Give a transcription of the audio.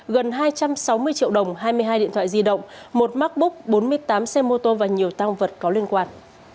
gần hai trăm sáu mươi triệu đồng hai mươi hai điện thoại di động một mắc búc bốn mươi tám xe mô tô và nhiều tăng vật có liên quan